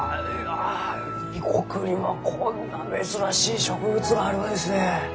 異国にはこんな珍しい植物があるがですね。